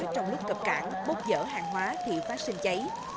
trong lúc cập cảng bốc dở hàng hóa thì phát sinh cháy